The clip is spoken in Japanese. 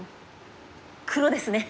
黒ですね。